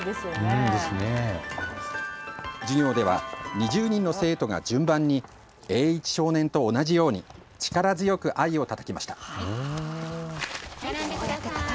授業では２０人の生徒が順番に栄一少年と同じように力強く藍をたたきました。